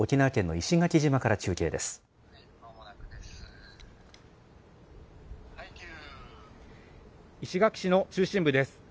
石垣市の中心部です。